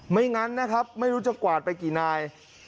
ไม่งั้นนะครับไม่รู้จะกวาดไปกี่นาย